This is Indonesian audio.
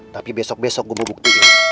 tapi besok besok gua mau buktiin